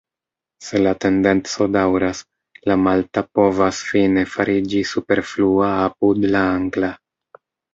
Se la tendenco daŭras, la malta povas fine fariĝi superflua apud la angla.